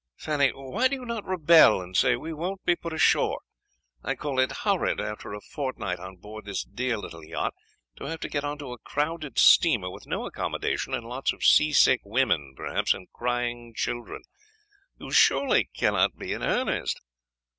Fanny, why do you not rebel, and say we won't be put ashore? I call it horrid, after a fortnight on board this dear little yacht, to have to get on to a crowded steamer, with no accommodation and lots of seasick women, perhaps, and crying children. You surely cannot be in earnest?"